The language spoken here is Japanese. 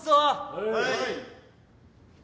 ・はい。